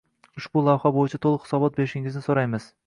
Ushbu lavha boʻyicha toʻliq hisobot berishingizni soʻraymiz.